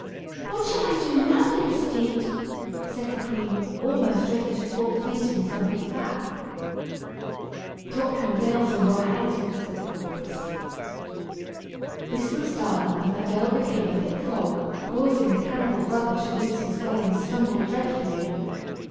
"What shall I do now, dear steed?" said the queen, almost ready to fall fainting from his back. "Drop the veil from your head," said the horse. This was done, and the veil became a thick fog, causing the cannibal brother to lose his way and stumble dreadfully.